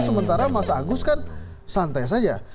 sementara mas agus kan santai saja